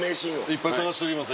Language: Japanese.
いっぱい探しときます